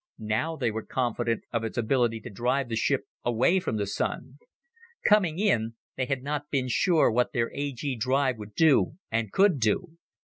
Now they were confident of its ability to drive the ship away from the Sun. Coming in, they had not been sure what their A G drive would do and could do.